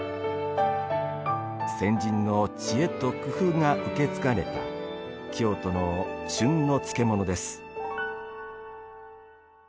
先人の知恵と工夫が受け継がれた京都の旬の漬物です。